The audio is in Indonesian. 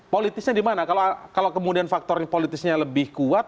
politisnya dimana kalau kemudian faktor politisnya lebih kuat